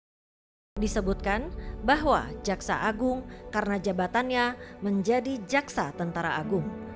ketua ketua ketua dan wakil ketua di jaksa agung di disebutkan bahwa jaksa agung karena jabatannya menjadi jaksa tentara agung